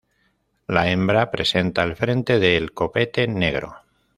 La hembra presenta el frente del copete negro.